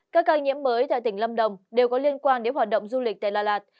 các ca nhiễm mới tại tỉnh lâm đồng đều có liên quan đến hoạt động du lịch tại đà lạt